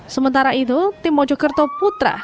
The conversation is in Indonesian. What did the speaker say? sementara itu tim mojokerto putra